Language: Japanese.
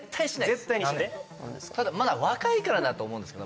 ただまだ若いからだと思うんですけど